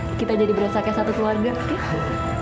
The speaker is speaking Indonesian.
iya kita jadi berasah kayak satu keluarga ya